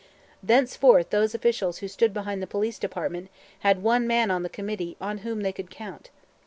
Thenceforth those officials who stood behind the Police Department had one man on the committee on whom they could count.